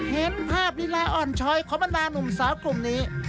เห็นภาพลีลาอ่อนช้อยของบรรดาหนุ่มสาวกลุ่มนี้